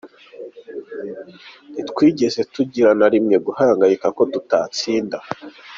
Ntitwigeze tugira na rimwe guhangayika ko tutatsinda.